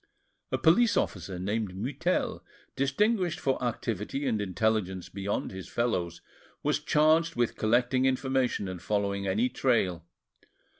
A police officer named Mutel, distinguished for activity and intelligence beyond his fellows, was charged with collecting information and following any trail.